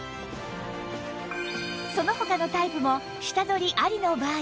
その他のタイプも下取りありの場合